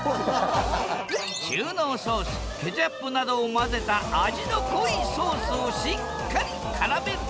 中濃ソースケチャップなどを混ぜた味の濃いソースをしっかりからめる。